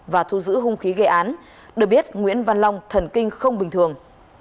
và thu giữ hung khí gây án được biết nguyễn văn long thần kinh không bình thường